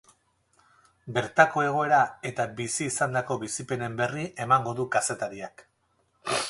Bertako egoera eta bizi izandako bizipenen berri emango du kazetariak.